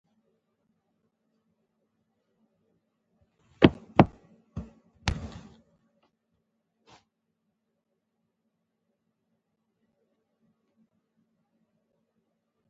تېر ماښام د یکشنبې په ماښام د مرګ لوبه وشوه.